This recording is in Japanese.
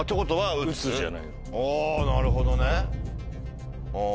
あなるほどね。